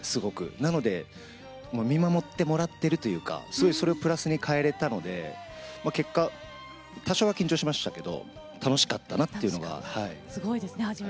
なので見守ってもらってるというかそれをプラスに変えれたので結果、多少は緊張しましたけど楽しかったなと。